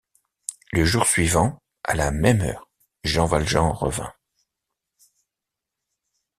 Le jour suivant, à la même heure, Jean Valjean revint.